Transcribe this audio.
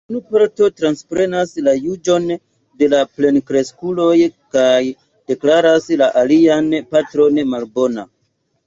Unu parto transprenas la juĝon de la plenkreskuloj kaj deklaras la alian parton malbona.